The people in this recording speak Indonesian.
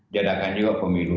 jadakan juga pemilu